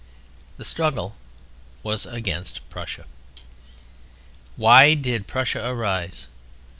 The struggle was against Prussia. Why did Prussia arise?